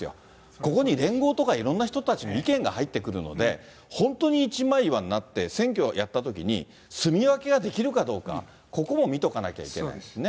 ここに連合とか、いろんな人たちの意見が入ってくるので、本当に一枚岩になって、選挙をやったときに、住み分けができるかどうか、ここも見とかなきゃいけないですね。